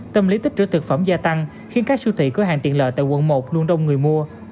tâm lý tích trợ thực phẩm gia tăng khiến các sưu thị có hàng tiện lợi tại quận một luôn đông người mua